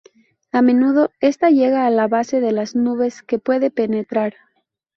A menudo, esta llega a la base de las nubes, que puede penetrar.